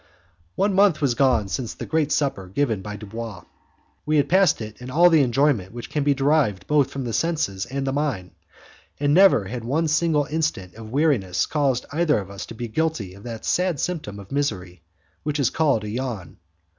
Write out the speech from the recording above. One month was gone since the great supper given by Dubois. We had passed it in all the enjoyment which can be derived both from the senses and the mind, and never had one single instant of weariness caused either of us to be guilty of that sad symptom of misery which is called a yawn.